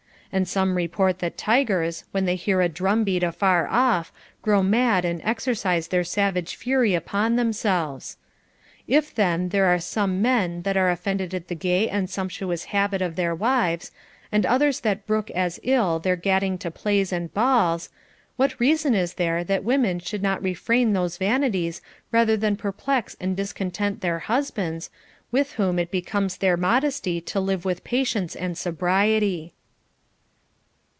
And some report that tigers, when they hear a drum beat afar off, grow mad and exercise their savage fury upon themselves. If then there are some men that are offended at the gay and sumptuous habit of their wives, and others that brook as ill their gad 504 CONJUGAL PRECEPTS ding to plays and balls, what reason is there that women should not refrain those vanities rather than perplex and discontent their husbands, with whom it becomes their modesty to live with patience and sobriety.